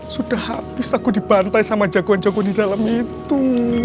sudah habis aku dibantai sama jagoan jago di dalam itu